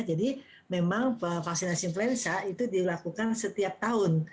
jadi memang vaksinasi influenza itu dilakukan setiap tahun